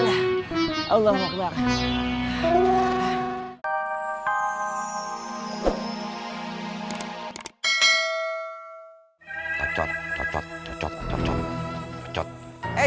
makannya jadi cowok yang bener